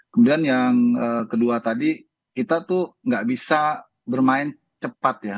kemudian yang kedua tadi kita tuh nggak bisa bermain cepat ya